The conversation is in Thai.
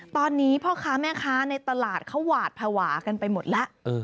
ตอนนี้พ่อค้าแม่ค้าในตลาดเขาหวาดภาวะกันไปหมดแล้ว